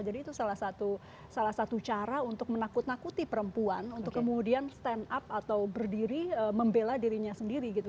jadi itu salah satu cara untuk menakut nakuti perempuan untuk kemudian stand up atau berdiri membela dirinya sendiri gitu